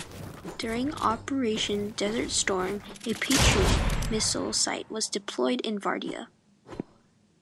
During Operation Desert Storm, a Patriot missile site was deployed in Vardia.